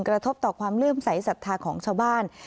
กระทบต่อความเลื่อมใสสัทธาของชาวบ้าน